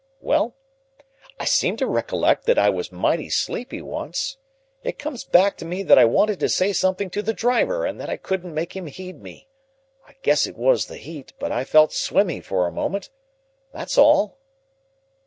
"Well, I seem to recollect that I was mighty sleepy once. It comes back to me that I wanted to say something to the driver and that I couldn't make him heed me. I guess it was the heat, but I felt swimmy for a moment. That's all."